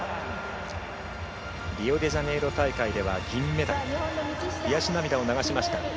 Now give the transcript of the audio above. リオデジャネイロ大会では銀メダル悔し涙を流しました。